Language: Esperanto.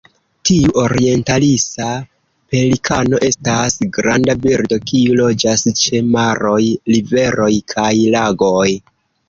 Tiu orientalisa pelikano estas granda birdo, kiu loĝas ĉe maroj, riveroj kaj lagoj.